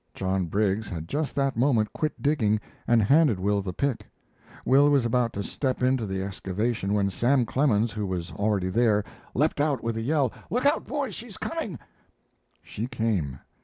John Briggs had just that moment quit digging and handed Will the pick. Will was about to step into the excavation when Sam Clemens, who was already there, leaped out with a yell: "Look out, boys, she's coming!" She came.